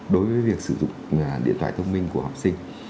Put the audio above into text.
đối với việc sử dụng điện thoại thông minh của học sinh